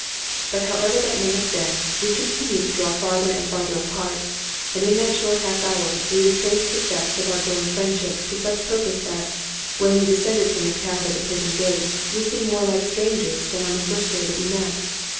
But however that may have been, we continued to draw farther and farther apart; and in that short half hour we retraced the steps of our growing friendship to such purpose that, when we descended from the cab at the prison gate, we seemed more like strangers than on the first day that we met.